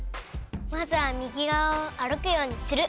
まずは右がわを歩くようにする。